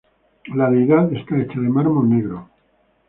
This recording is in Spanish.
La deidad está hecha de mármol negro.